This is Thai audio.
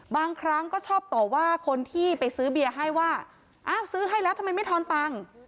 บางครั้งก็ชอบต่อว่าคนที่ไปซื้อเบียร์ให้ว่าอ้าวซื้อให้แล้วทำไมไม่ทอนตังค์